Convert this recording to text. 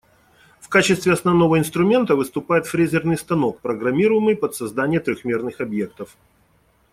В качестве основного инструмента выступает фрезерный станок, программируемый под создание трёхмерных объектов.